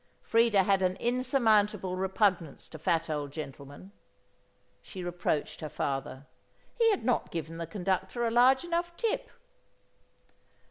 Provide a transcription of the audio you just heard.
Freda had an insurmountable repugnance to fat old gentlemen. She reproached her father; he had not given the conductor a large enough tip.